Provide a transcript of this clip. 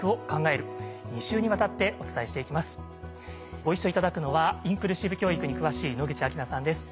ご一緒頂くのはインクルーシブ教育に詳しい野口晃菜さんです。